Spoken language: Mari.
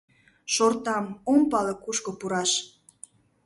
Шортам, ом пале — кушко пураш